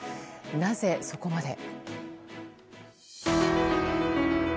なぜ、そこまで。